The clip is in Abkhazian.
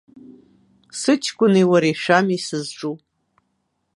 Сыҷкәыни уареи шәами сызҿу.